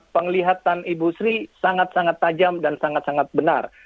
penglihatan ibu sri sangat sangat tajam dan sangat sangat benar